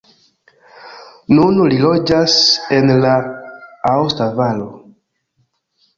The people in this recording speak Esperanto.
Nun li loĝas en la aosta valo.